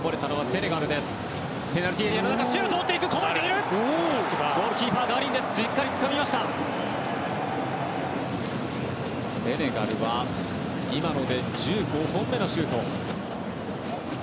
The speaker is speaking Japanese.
セネガルは今ので１５本目のシュート。